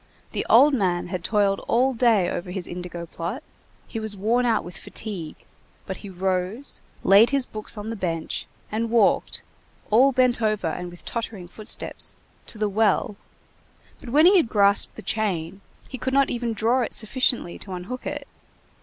The old man had toiled all day over his indigo plot, he was worn out with fatigue, but he rose, laid his books on the bench, and walked, all bent over and with tottering footsteps, to the well, but when he had grasped the chain, he could not even draw it sufficiently to unhook it.